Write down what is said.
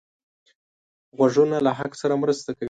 غوږونه له حق سره مرسته کوي